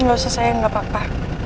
gak usah sayang gak apa apa